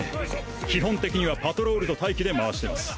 基本的にはパトロールと待機で回してます！